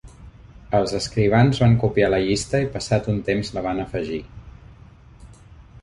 Els escrivans van copiar la llista i passat un temps la van afegir.